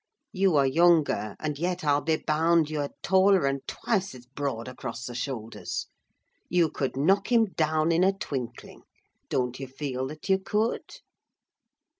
You are younger, and yet, I'll be bound, you are taller and twice as broad across the shoulders; you could knock him down in a twinkling; don't you feel that you could?"